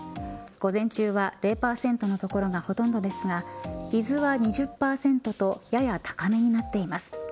午前中は０％の所がほとんどですが伊豆は２０％とやや高めになっています。